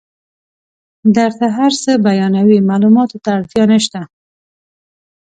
درته هر څه بیانوي معلوماتو ته اړتیا نشته.